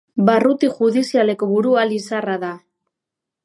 Barruti judizialeko burua Lizarra da.